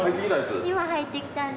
入ってきたんで。